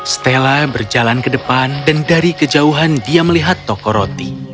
stella berjalan ke depan dan dari kejauhan dia melihat toko roti